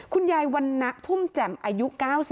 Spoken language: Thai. คุณยายวันนะพุ่มแจ่มอายุ๙๐